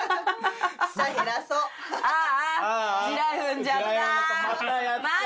ああ。